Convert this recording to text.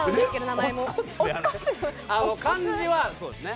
漢字はそうですね。